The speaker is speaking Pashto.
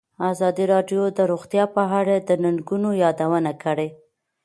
ازادي راډیو د روغتیا په اړه د ننګونو یادونه کړې.